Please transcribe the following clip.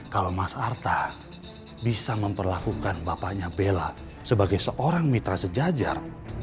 kalau mas arta bisa memperlakukan bapaknya bella sebagai seorang mitra sejajar